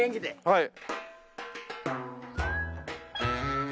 はい。